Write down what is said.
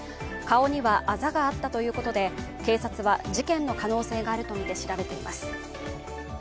顔にはあざがあったということで、警察は事件の可能性があるとみて調べています。